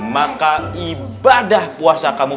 maka ibadah puasa kamu